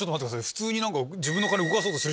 普通に何か。